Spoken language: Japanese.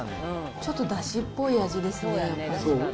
ちょっとだしっぽい味ですね。